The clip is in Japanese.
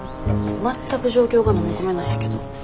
全く状況がのみ込めないんやけど。